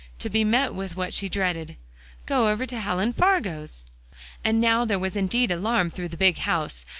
to be met with what she dreaded, "Gone over to Helen Fargo's." And now there was indeed alarm through the big house.